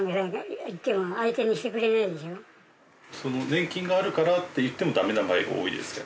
「年金があるから」って言ってもダメな場合が多いですか？